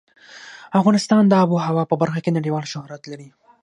افغانستان د آب وهوا په برخه کې نړیوال شهرت لري.